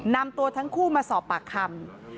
นำตัวทั้งคู่มาสอบปากคำ